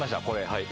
はい。